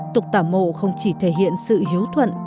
tục tảo mộ không chỉ thể hiện sự hiếu thuận